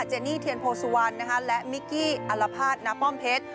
เจนี่เทียนโพสุวรรณและมิกกี้อัลภาษณป้อมเพชร